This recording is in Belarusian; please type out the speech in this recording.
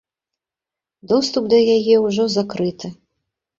Доступ да яе ўжо закрыты.